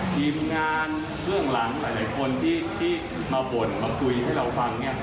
ทีมงานเบื้องหลังหลายคนที่มาบ่นมาคุยให้เราฟัง